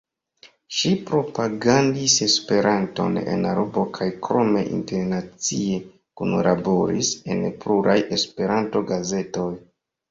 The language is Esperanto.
Ŝi propagandis Esperanton en la urbo kaj krome internacie kunlaboris en pluraj Esperanto-gazetoj.